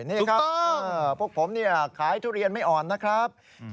นี่ครับพวกผมเนี่ยขายทุเรียนไม่อ่อนนะครับ